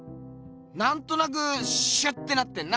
なんとなくシュッてなってんな。